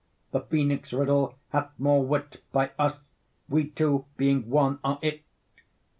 The Phœnix ridle hath more wit By us, we two being one, are it.